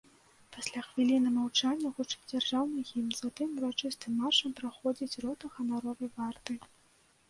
Пасля хвіліны маўчання гучыць дзяржаўны гімн, затым урачыстым маршам праходзіць рота ганаровай варты.